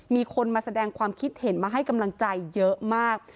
มีคนมาแสดงความคิดเห็นมาให้กำลังใจเยอะมาก